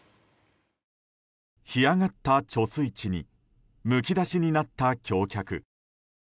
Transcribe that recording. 干上がった貯水池にむき出しになった橋脚。